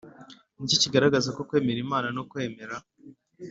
Ni iki kigaragaza ko kwemera imana no kwemera